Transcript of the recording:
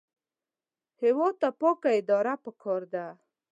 هېواد ته پاکه اداره پکار ده